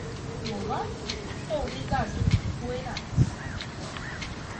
Молан «полный газым» пуэнат?